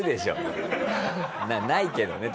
ないけどね